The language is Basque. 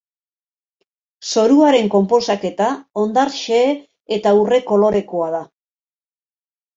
Zoruaren konposaketa hondar xehe eta urre kolorekoa da.